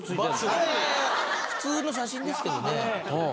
普通の写真ですけどね。